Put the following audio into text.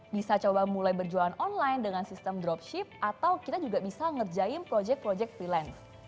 bisa coba mulai berjualan online dengan sistem dropship atau kita juga bisa ngerjain proyek proyek freelance